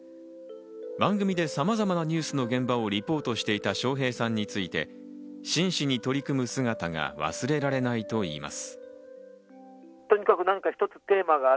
番組でさまざまなニュースの現場をリポートしていた笑瓶さんについて、真摯に取り組む姿が忘れられないと言います。